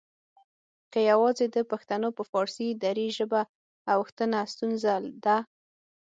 که یواځې د پښتنو په فارسي دري ژبې اوښتنه ستونزه ده؟